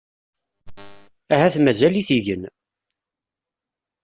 Ahat mazal-it igen.